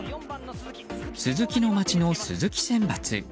鈴木の町の鈴木選抜。